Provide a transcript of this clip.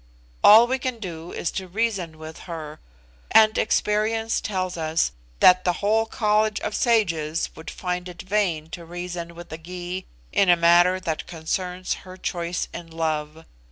All we can to is to reason with her, and experience tells us that the whole College of Sages would find it vain to reason with a Gy in a matter that concerns her choice in love.